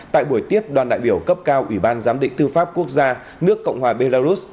tại buổi tiếp đoàn đại biểu cấp cao ủy ban giám định tư pháp quốc gia nước cộng hòa belarus